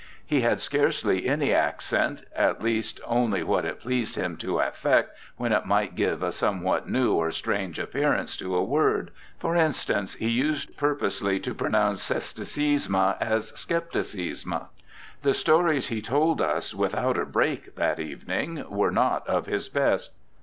He had scarcely any accent, at least only what it pleased him to affect when it might give a somewhat new or strange appearance to a word for instance, he used purposely to pronounce scepticisme as skepticisme. The stories he told us without a break that evening were not of his best.